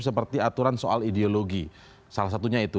seperti aturan soal ideologi salah satunya itu